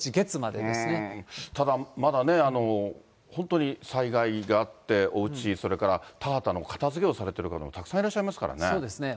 ただ、まだね、本当に災害があって、おうち、それから田畑の片づけをされてる方もたくさんいらっしゃいますかそうですね。